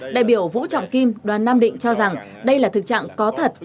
đại biểu vũ trọng kim đoàn nam định cho rằng đây là thực trạng có thật